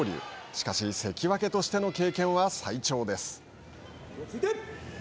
しかし関脇としての経験は最長です。